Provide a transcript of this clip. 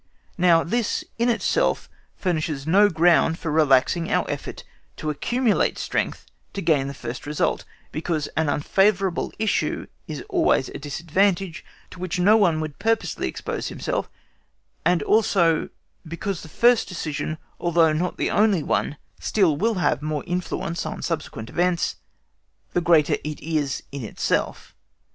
Now this, in itself, furnishes no ground for relaxing our efforts to accumulate strength to gain the first result, because an unfavourable issue is always a disadvantage to which no one would purposely expose himself, and also because the first decision, although not the only one, still will have the more influence on subsequent events, the greater it is in itself.